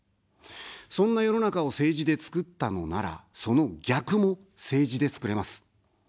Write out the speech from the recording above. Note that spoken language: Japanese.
そんな世の中を政治で作ったのなら、その逆も政治で作れます。